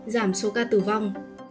giảm số ca tử vong